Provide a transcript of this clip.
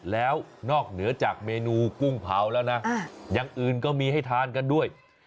แล้วนอกเหนือจากเมนูกุ้งเผาแล้วนะอย่างอื่นก็มีให้ทานกันด้วย